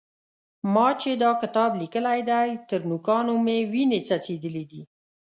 ما چې دا کتاب لیکلی دی؛ تر نوکانو مې وينې څڅېدلې دي.